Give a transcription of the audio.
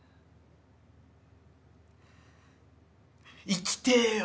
生きてえよ。